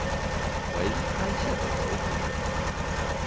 为该县的首府。